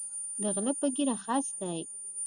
د غلۀ پۀ ږیره خس دی